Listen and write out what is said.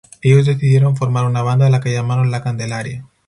Ellos decidieron formar una banda a la que llamaron La candelaria.